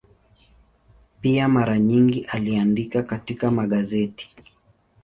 Pia mara nyingi aliandika katika magazeti.